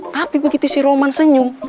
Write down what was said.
tapi begitu si roman senyum